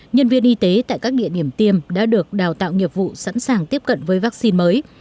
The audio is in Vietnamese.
nhân viên y tế tại các địa điểm tiêm đã được đào tạo nghiệp vụ sẵn sàng tiếp cận với vaccine mới